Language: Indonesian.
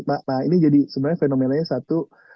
nah ini jadi sebenarnya fenomenanya satu